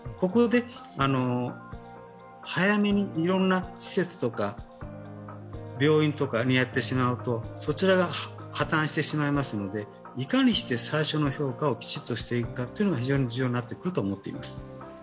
ここで早めにいろいろな施設とか病院とかにやってしまうとそちらが破綻してしまいますので、いかにして最初の評価をきちんとしていくかが重要になってくると思います。